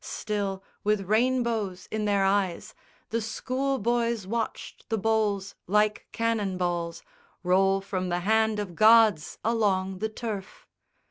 Still, with rainbows in their eyes, The schoolboys watched the bowls like cannon balls Roll from the hand of gods along the turf.